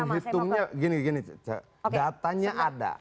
menghitungnya gini datanya ada